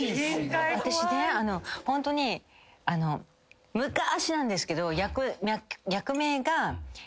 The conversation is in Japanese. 私ねホントに昔なんですけど役名が。